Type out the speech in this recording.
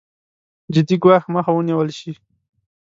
جدي ګواښ مخه ونېول شي.